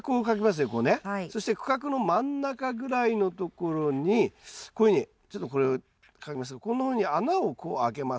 そして区画の真ん中ぐらいのところにこういうふうにちょっとこれを描きますがこんなふうに穴をこう開けます。